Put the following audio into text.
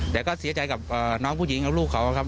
แต่ก็เสียใจกับน้องผู้หญิงกับลูกเขาครับ